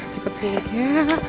cepet ya lydia